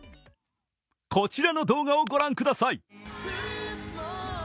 こちらの動画を御覧ください。